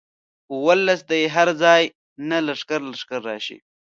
اولس دې هر ځاي نه لښکر لښکر راشي.